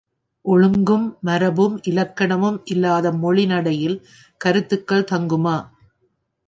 ஒழுங்கும், மரபும், இலக்கணமும் இல்லாத மொழி நடையில் கருத்துக்கள் தங்குமா?